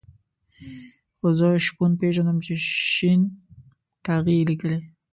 خو زه شپون پېژنم چې شين ټاغی یې لیکلی.